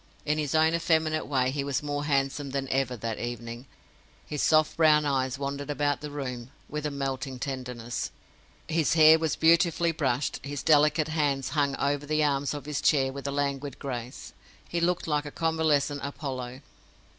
In his own effeminate way he was more handsome than ever that evening. His soft brown eyes wandered about the room with a melting tenderness; his hair was beautifully brushed; his delicate hands hung over the arms of his chair with a languid grace. He looked like a convalescent Apollo.